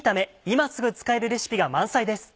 今すぐ使えるレシピが満載です。